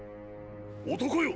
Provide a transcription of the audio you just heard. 男よ！